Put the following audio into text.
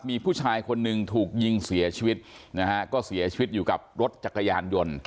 มีผู้ชายคนหนึ่งถูกยิงเสียชีวิตนะฮะก็เสียชีวิตอยู่กับรถจักรยานยนต์